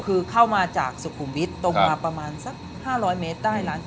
คือเข้ามาจากสุขุมวิทย์ตรงมาประมาณสัก๕๐๐เมตรได้นะ